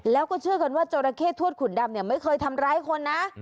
แล้วก็เชื่อกันว่าจราเข้ทวดขุนดำเนี่ยไม่เคยทำร้ายคนนะ